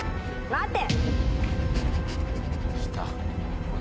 待て。